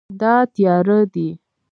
دا تیاره دی